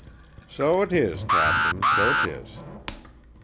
"So 'tis, captain so 'tis."